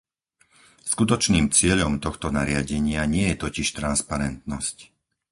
Skutočným cieľom tohto nariadenia nie je totiž transparentnosť.